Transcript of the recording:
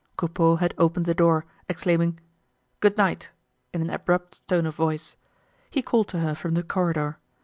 Coupeau had opened the door, exclaiming: "Good night!" in an abrupt tone of voice. He called to her from the corridor.